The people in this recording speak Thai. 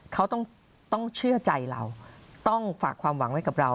เขาต้องเชื่อใจเราต้องฝากความหวังไว้กับเรา